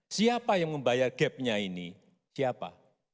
siapa yang membayar gap nya ini siapa